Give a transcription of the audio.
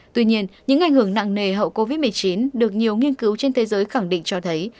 tuy nhiên những ảnh hưởng nặng nề hậu covid một mươi chín được nhiều nghiên cứu trên thế giới khẳng định cho thấy